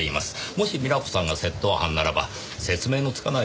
もし美奈子さんが窃盗犯ならば説明のつかない行動ですよ。